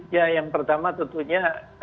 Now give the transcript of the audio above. ya yang pertama tentunya